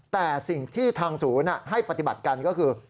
แต่สิ่งที่ทางศูนย์ให้ปฏิบัติกันก็คือ